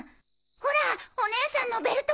ほらお姉さんのベルト！